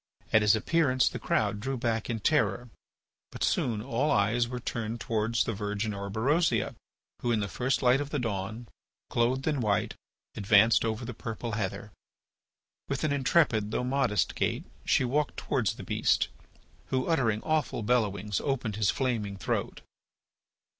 At his appearance the crowd drew back in terror. But soon all eyes were turned towards the Virgin Orberosia, who, in the first light of the dawn, clothed in white, advanced over the purple heather. With an intrepid though modest gait she walked towards the beast, who, uttering awful bellowings, opened his flaming throat.